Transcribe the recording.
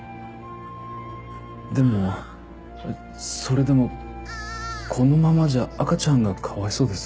でもそれでもこのままじゃ赤ちゃんがかわいそうです。